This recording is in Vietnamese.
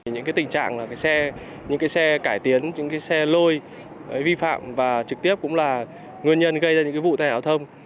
những cái tình trạng là những cái xe cải tiến những cái xe lôi vi phạm và trực tiếp cũng là nguyên nhân gây ra những cái vụ tài hóa thông